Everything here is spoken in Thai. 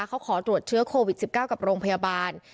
เขาขอตรวจเชื้อโควิด๑๙กับโรงพยาบาล